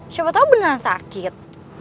siapa tau beneran sakit